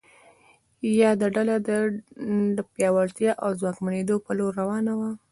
یاده ډله د پیاوړتیا او ځواکمنېدو په لور روانه وه.